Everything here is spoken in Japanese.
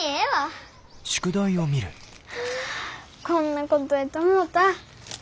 こんなことやと思うた。